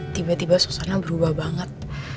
tiba tiba suasana berubah banget